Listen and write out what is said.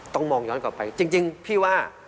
ต้องมองย้อนกลับไปจริงพี่ว่า